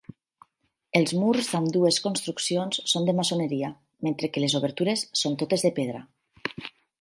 Els murs d'ambdues construccions són de maçoneria, mentre que les obertures són totes de pedra.